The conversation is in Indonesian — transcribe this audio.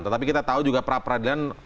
tetapi kita tahu juga pra peradilan